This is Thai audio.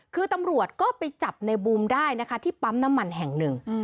คือตำรวจก็ไปจับในบูมได้นะคะที่ปั๊มน้ำมันแห่งหนึ่ง